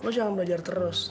lo jangan belajar terus